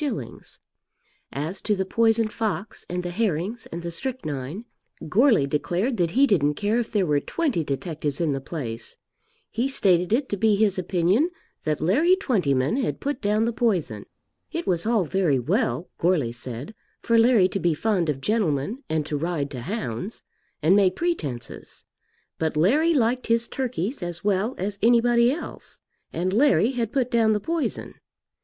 _ As to the poisoned fox and the herrings and the strychnine Goarly declared that he didn't care if there were twenty detectives in the place. He stated it to be his opinion that Larry Twentyman had put down the poison. It was all very well, Goarly said, for Larry to be fond of gentlemen and to ride to hounds, and make pretences; but Larry liked his turkeys as well as anybody else, and Larry had put down the poison.